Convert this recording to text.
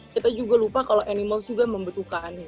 kita juga lupa kalau animals juga membutuhkan